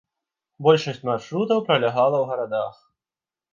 Большасць маршрутаў пралягала ў гарадах.